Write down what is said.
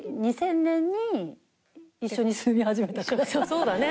そうだね